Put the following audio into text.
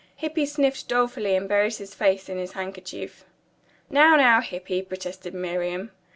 Hippy sniffed dolefully and buried his face in his handkerchief. "Now, now, Hippy," protested Miriam.